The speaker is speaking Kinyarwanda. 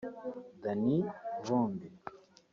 Danny Vumbi